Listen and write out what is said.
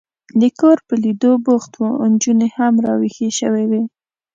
د کور په لیدو بوخت و، نجونې هم را وېښې شوې وې.